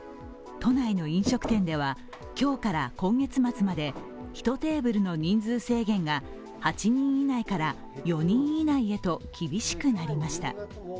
都内の飲食店では今日から今月末まで１テーブルの人数制限が８人以内から４人以内へと厳しくなりました。